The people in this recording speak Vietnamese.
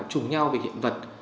chủng nhau về hiện vật